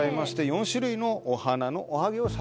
４種類のお花のおはぎを作成と。